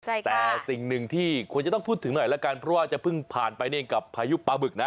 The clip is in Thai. แต่สิ่งหนึ่งที่ควรจะต้องพูดถึงหน่อยละกันเพราะว่าจะเพิ่งผ่านไปนี่กับพายุปลาบึกนะ